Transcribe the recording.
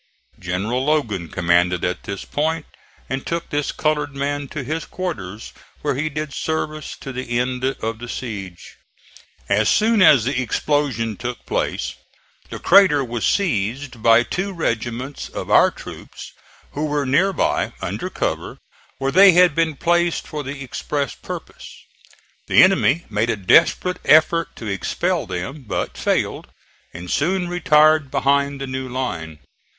General Logan commanded at this point and took this colored man to his quarters, where he did service to the end of the siege. As soon as the explosion took place the crater was seized by two regiments of our troops who were near by, under cover, where they had been placed for the express purpose. The enemy made a desperate effort to expel them, but failed, and soon retired behind the new line.